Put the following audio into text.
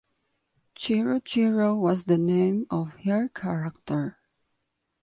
Chiruchiru was the name of her character.